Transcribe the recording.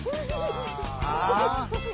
ああ。